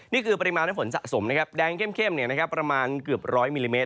นี่คือปริมาณฝนสะสมแดงเข้มประมาณเกือบ๑๐๐มิลลิเมตร